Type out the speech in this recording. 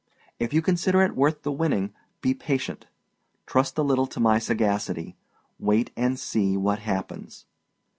If you consider it worth the winning, be patient. Trust a little to my sagacity. Wait and see what happens.